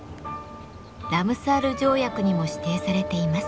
ラムサール条約にも指定されています。